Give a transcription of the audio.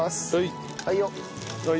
はいよ。